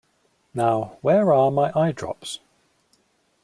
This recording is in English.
Now, where are my eyedrops?